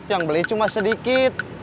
yang beli cuma sedikit